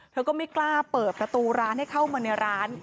ก็ไม่กล้าเปิดประตูร้านให้เข้ามาในร้าน